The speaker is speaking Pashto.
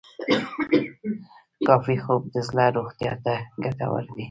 کافي خوب د زړه روغتیا ته ګټور دی.